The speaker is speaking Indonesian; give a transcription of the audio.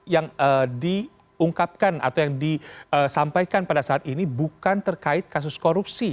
yang diungkapkan atau yang disampaikan pada saat ini bukan terkait kasus korupsi